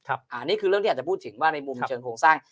อันนี้คือเรื่องที่อาจจะพูดถึงว่าในมุมเชิงโครงสร้าง